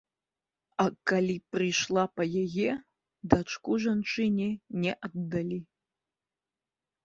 А калі прыйшла па яе, дачку жанчыне не аддалі.